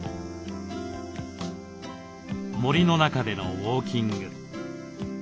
森の中でのウォーキング。